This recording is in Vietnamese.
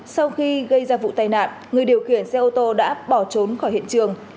sau khi gây ra vụ tai nạn người điều khiển xe ô tô đã bỏ trốn khỏi hiện trường